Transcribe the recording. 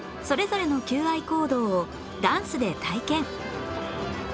それぞれの求愛行動をダンスで体験